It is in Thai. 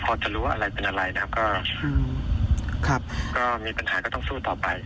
พอจะรู้อะไรเป็นอะไรนะครับก็มีปัญหาก็ต้องสู้ต่อไป